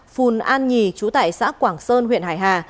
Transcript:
phùn an nhì trú tại xã quảng sơn huyện hải hà